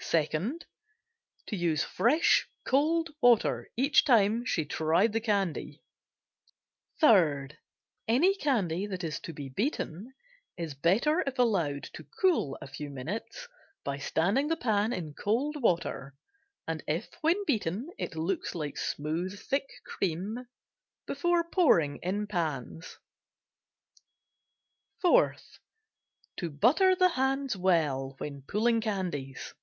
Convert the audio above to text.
SECOND. To use fresh, cold water each time she tried the candy. THIRD. Any candy that is to be beaten is better if allowed to cool a few minutes by standing the pan in cold water and if when beaten it looks like smooth thick cream before pouring in pans. FOURTH. To butter the hands well when pulling candies.